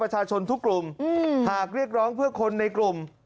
หากเรียกร้องเพื่อคนในกลุ่ม